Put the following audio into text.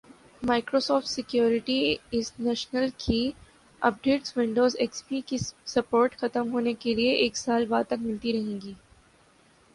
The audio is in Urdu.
مائیکروسافٹ سکیوریٹی ایزنشل کی updates Windows X P کی سپورٹ ختم ہونے کے ایک سال بعد تک ملتی رہیں گی